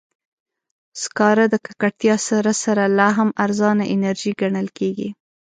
سکاره د ککړتیا سره سره، لا هم ارزانه انرژي ګڼل کېږي.